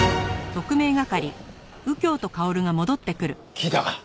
聞いたか？